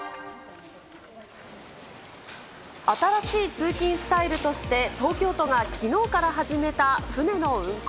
新しい通勤スタイルとして東京都がきのうから始めた船の運航。